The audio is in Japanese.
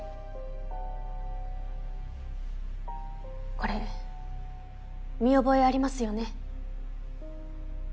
これ見覚えありますよね？